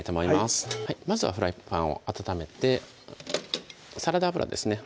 はいまずはフライパンを温めてサラダ油ですね